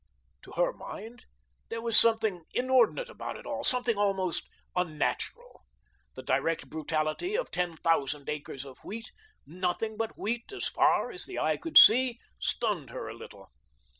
To her mind there was something inordinate about it all; something almost unnatural. The direct brutality of ten thousand acres of wheat, nothing but wheat as far as the eye could see, stunned her a little.